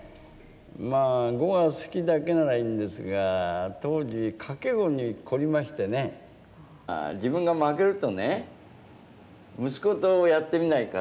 まあ碁が好きだけならいいんですが当時自分が負けるとね「息子とやってみないか？」